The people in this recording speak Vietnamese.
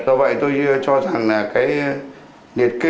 do vậy tôi cho rằng là cái liệt kê